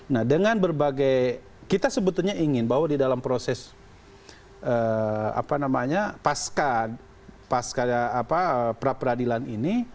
nah dengan berbagai kita sebetulnya ingin bahwa di dalam proses apa namanya pasca pasca pra peradilan ini